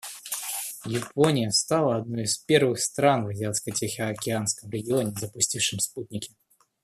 Япония стала одной из первых стран в Азиатско-Тихоокеанском регионе, запустивших спутники.